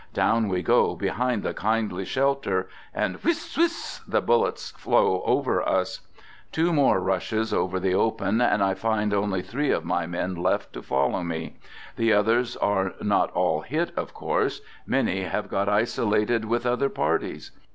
Down we go behind the kindly shelter and " Whisss! whisss! " the bullets flow over us. ... 146 " THE GOOD SOLDIER "... Two more rushes over the open and I find only three of my men left to follow me. The oth ers are not all hit, of course; many have got isolated with other parties.